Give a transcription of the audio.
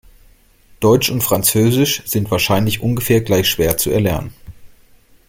Deutsch und Französisch sind wahrscheinlich ungefähr gleich schwer zu erlernen.